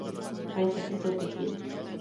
Paisaje Protegido.